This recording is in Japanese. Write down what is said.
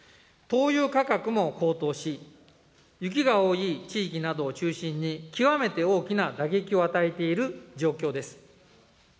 灯油価格も高騰し、雪が多い地域などを中心に極めて大きな打撃を与えている状況です。